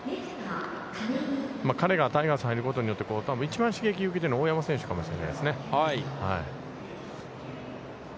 彼がタイガースに入ることによって多分一番刺激を受けているのは、大山選手かもしれないですね。